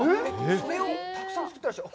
それをたくさん作っていらっしゃる。